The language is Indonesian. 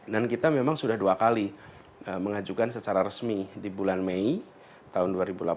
dan kita memang sudah dua kali mengajukan secara resmi di bulan mei tahun dua ribu delapan belas